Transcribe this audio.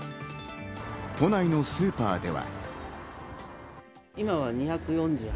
都内のスーパーでは。